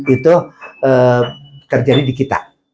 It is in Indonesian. itu terjadi di kita